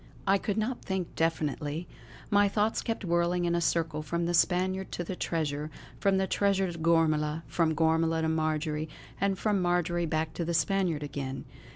I could not think definitely; my thoughts kept whirling in a circle from the Spaniard to the treasure, from the treasure to Gormala, from Gormala to Marjory, and from Marjory back to the Spaniard again.